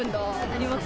あります。